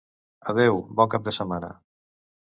Adeu, bon cap de setmana.